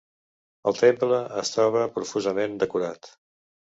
El temple es troba profusament decorat.